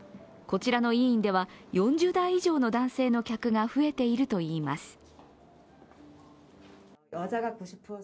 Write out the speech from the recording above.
こちらの医院では４０代以上の男性の客が増えているといいます。